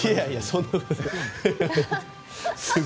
そんなことない。